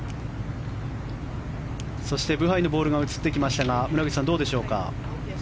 そしてブハイのボールが映ってきましたが村口さん、どうでしょうか。